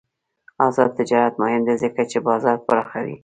آزاد تجارت مهم دی ځکه چې بازار پراخوي.